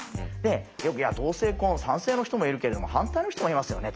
よく同性婚賛成の人もいるけれども反対の人もいますよねと。